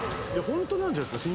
ホントなんじゃないすか？